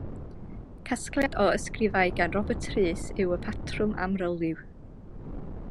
Casgliad o ysgrifau gan Robert Rhys yw Y Patrwm Amryliw.